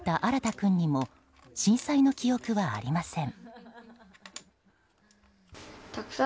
君にも震災の記憶はありません。